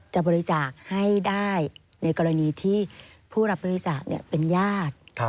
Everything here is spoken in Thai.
จะบริจาคให้ได้ในกรณีที่ผู้รับบริจาคเป็นญาติ